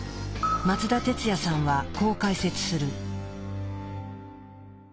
松田哲也さんはこう解説する。